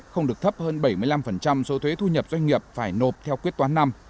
không được thấp hơn bảy mươi năm số thuế thu nhập doanh nghiệp phải nộp theo quyết toán năm